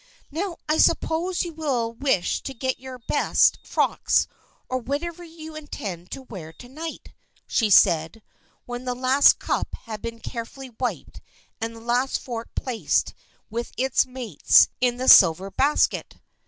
" Now, I suppose you will wish to get your best frocks, or whatever you intended to wear to night," said she, when the last cup had been carefully wiped and the last fork placed with its mates in the silver basket.